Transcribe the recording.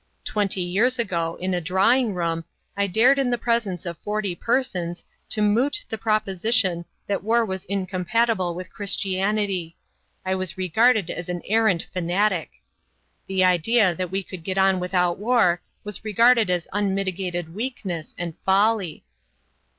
Twenty years ago, in a drawing room, I dared in the presence of forty persons to moot the proposition that war was incompatible with Christianity; I was regarded as an arrant fanatic. The idea that we could get on without war was regarded as unmitigated weakness and folly."